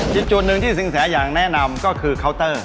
ทิศจุดหนึ่งที่สงสัยอยากแนะนำก็คือคาวเตอร์